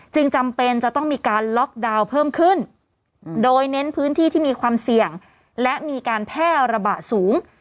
จำเป็นจะต้องมีการล็อกดาวน์เพิ่มขึ้นโดยเน้นพื้นที่ที่มีความเสี่ยงและมีการแพร่ระบาดสูง